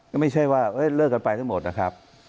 ก็ไม่ใช่ว่าเลิกกันไปทั้งหมดนะครับ